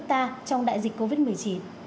chúng ta trong đại dịch covid một mươi chín